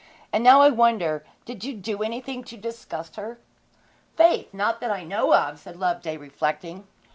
Now I wonder if you did anything to disgust her?' 'Faith! not that I know of,' said Loveday, reflecting.